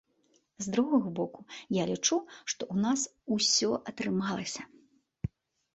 З другога боку, я лічу, што ў нас усё атрымалася.